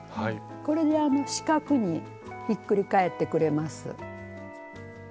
これで四角にひっくり返ってくれます。